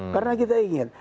karena kita ingat